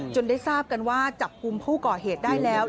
ได้ทราบกันว่าจับกลุ่มผู้ก่อเหตุได้แล้ว